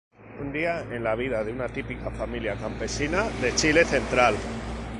Un día en la vida de una típica familia campesina de Chile central.